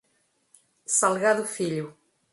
Salgado Filho